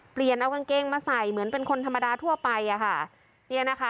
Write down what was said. เปลี่ยนเอากางเกงมาใส่เหมือนเป็นคนธรรมดาทั่วไปอ่ะค่ะเนี่ยนะคะ